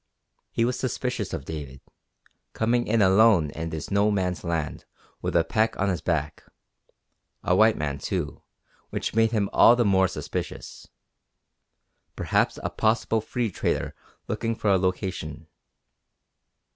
He was suspicious of David, coming in alone in this No Man's Land with a pack on his back; a white man, too, which made him all the more suspicious. Perhaps a possible free trader looking for a location.